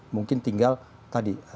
mungkin tinggal tadi